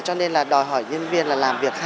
cho nên là đòi hỏi nhân viên là làm việc